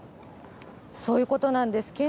そういうことなんです。